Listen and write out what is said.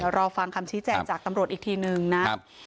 รอฟังคำชี้แจงจากตำรวจอีกทีนึงนะ